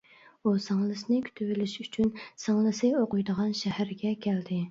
ئۇ سىڭلىسىنى كۈتۈۋېلىش ئۈچۈن سىڭلىسى ئوقۇيدىغان شەھەرگە كەلدى.